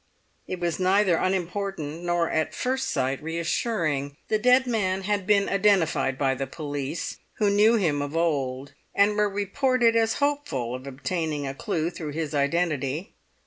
It was neither unimportant nor at first sight reassuring. The dead man had been identified by the police, who knew him of old, and were reported as hopeful of obtaining a clue through his identity.